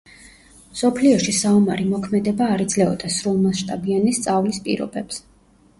მსოფლიოში საომარი მოქმედება არ იძლეოდა სრულმასშტაბიანი სწავლის პირობებს.